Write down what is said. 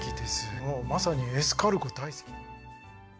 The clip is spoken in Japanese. もうまさにエスカルゴ大好き。